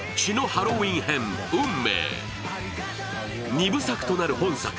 ２部作となる本作。